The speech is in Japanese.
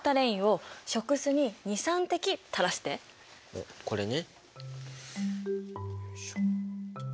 おっこれね。